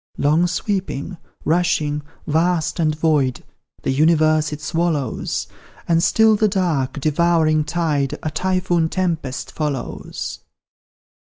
Long sweeping, rushing, vast and void, The universe it swallows; And still the dark, devouring tide A typhoon tempest follows.